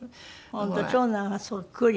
本当長男はそっくり。